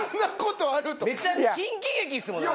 新喜劇ですもん。